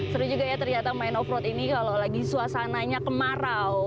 seru juga ya ternyata main off road ini kalau lagi suasananya kemarau